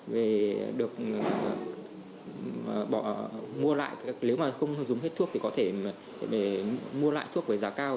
về được mua lại nếu mà không dùng hết thuốc thì có thể mua lại thuốc với giá cao